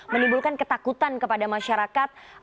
menimbulkan ketakutan kepada masyarakat